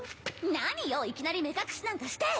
何よいきなり目隠しなんかして！